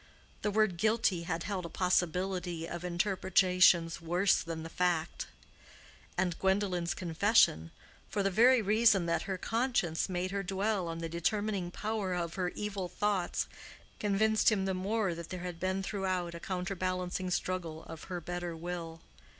The word "guilty" had held a possibility of interpretations worse than the fact; and Gwendolen's confession, for the very reason that her conscience made her dwell on the determining power of her evil thoughts, convinced him the more that there had been throughout a counterbalancing struggle of her better will.